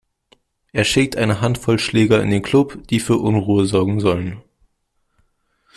Er schickt eine Handvoll Schläger in den Club, die für Unruhe sorgen sollen.